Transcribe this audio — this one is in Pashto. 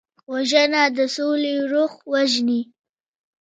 وژنه د سولې روح وژني